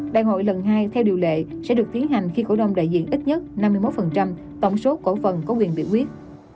đại hội lần hai theo điều lệ sẽ được tiến hành khi cổ đông đại diện ít nhất năm mươi một tổng số cổ phần có quyền biểu quyết